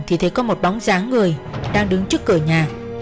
thì thấy có một bóng dáng người đang đứng trước cửa nhà